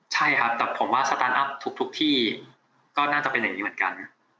ใช่ครับแต่ผมว่าสตาร์ทอัพทุกที่ก็น่าจะเป็นอย่างนี้เหมือนกัน